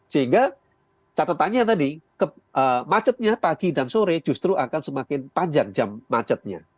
sehingga catatannya tadi macetnya pagi dan sore justru akan semakin panjang jam macetnya